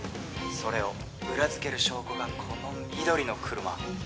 それを裏づける証拠がこの緑の車